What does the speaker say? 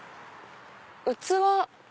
器。